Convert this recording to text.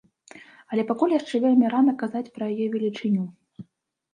Але пакуль яшчэ вельмі рана казаць пра яе велічыню.